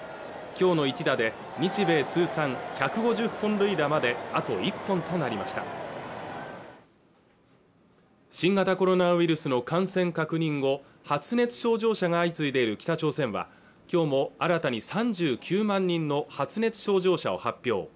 今日の一打で日米通算１５０本塁打まであと１本となりました新型コロナウイルスの感染確認後発熱症状者が相次いでいる北朝鮮は今日も新たに３９万人の発熱症状者を発表